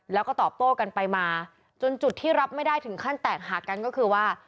แล้วก็ตอบโต้กันไปมาจนจุดที่รับไม่ได้ถึงขั้นแตกหักกันก็คือว่า